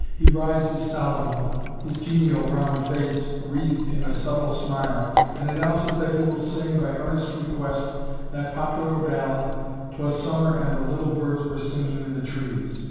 He rises solemnly, his genial round face wreathed in a subtle smile, and announces that he will sing, by earnest request, that popular ballad, "'Twas Summer and the Little Birds were Singing in the Trees."